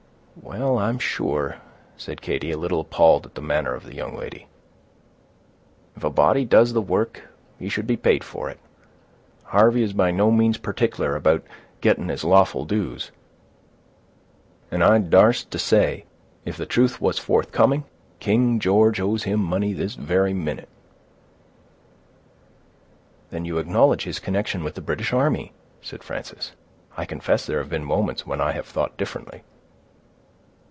"Well, I'm sure," said Katy, a little appalled at the manner of the young lady, "if a body does the work, he should be paid for it. Harvey is by no means partic'lar about getting his lawful dues; and I dar'st to say, if the truth was forthcoming, King George owes him money this very minute." "Then you acknowledge his connection with the British army," said Frances. "I confess there have been moments when I have thought differently."